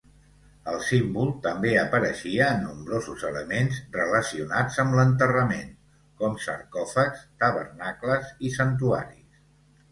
El símbol també apareixia en nombrosos elements relacionats amb l'enterrament, com sarcòfags, tabernacles i santuaris.